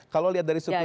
kalau lihat dari struktur